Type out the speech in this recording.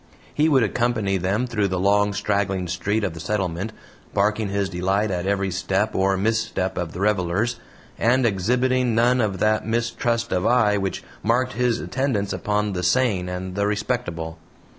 He would accompany them through the long straggling street of the settlement, barking his delight at every step or misstep of the revelers, and exhibiting none of that mistrust of eye which marked his attendance upon the sane and the respectable.